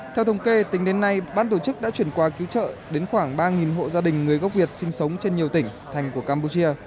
theo thống kê tính đến nay ban tổ chức đã chuyển qua cứu trợ đến khoảng ba hộ gia đình người gốc việt sinh sống trên nhiều tỉnh thành của campuchia